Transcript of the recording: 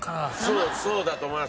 そうそうだと思います。